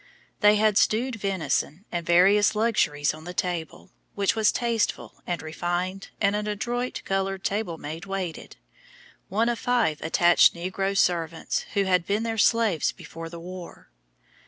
They had stewed venison and various luxuries on the table, which was tasteful and refined, and an adroit, colored table maid waited, one of five attached Negro servants who had been their slaves before the war.